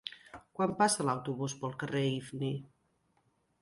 Quan passa l'autobús pel carrer Ifni?